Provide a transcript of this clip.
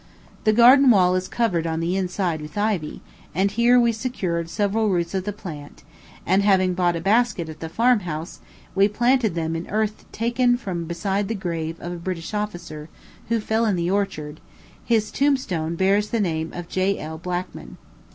The garden wall is covered on the inside with ivy; and here we secured several roots of the plant, and, having bought a basket at the farm house, we planted them in earth taken from beside the grave of a British officer, who fell in the orchard; his tombstone bears the name of J.L. Blackman.